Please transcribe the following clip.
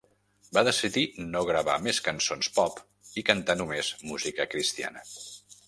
Va decidir no gravar més cançons pop i cantar només música cristiana.